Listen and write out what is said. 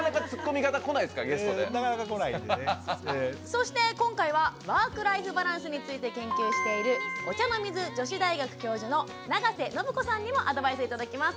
そして今回はワークライフバランスについて研究しているお茶の水女子大学教授の永瀬伸子さんにもアドバイスを頂きます。